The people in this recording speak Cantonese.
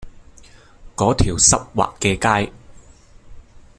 嗰條濕滑嘅街